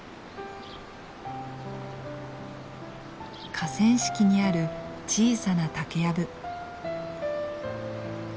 河川敷にある小さな竹やぶ。